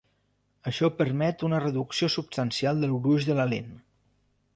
Això permet una reducció substancial del gruix de la lent.